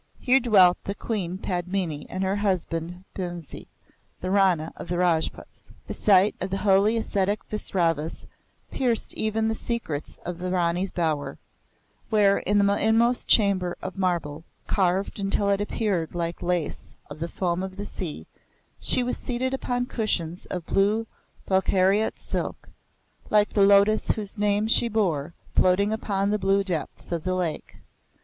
Here dwelt the Queen Padmini and her husband Bhimsi, the Rana of the Rajputs. The sight of the holy ascetic Visravas pierced even the secrets of the Rani's bower, where, in the inmost chamber of marble, carved until it appeared like lace of the foam of the sea, she was seated upon cushions of blue Bokhariot silk, like the lotus whose name she bore floating upon the blue depths of the lake.